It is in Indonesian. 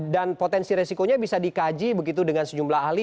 dan potensi resikonya bisa dikaji begitu dengan sejumlah ahli